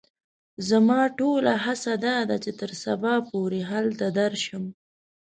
زما ټوله هڅه دا ده چې تر سبا پوري هلته درشم.